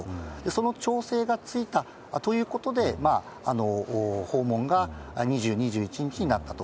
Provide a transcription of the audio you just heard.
その調整がついたということで、訪問が２０、２１日になったと。